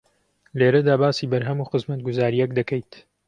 لێرەدا باسی بەرهەم و خزمەتگوزارییەک دەکەیت